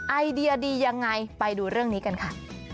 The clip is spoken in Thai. ไอเดียดียังไงไปดูเรื่องนี้กันค่ะ